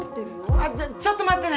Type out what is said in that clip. あっちょっと待ってね！